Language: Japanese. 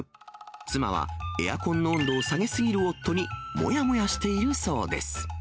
妻はエアコンの温度を下げ過ぎる夫にもやもやしているそうです。